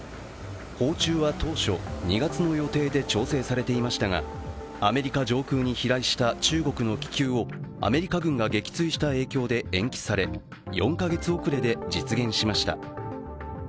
訪中は当初、２月の予定で調整されていましたがアメリカ上空に飛来した中国の気球をアメリカ軍が撃墜した影響で延期され、４か月遅れで実現しました。